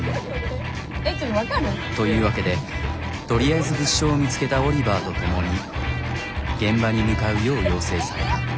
というわけでとりあえず物証を見つけたオリバーと共に現場に向かうよう要請された。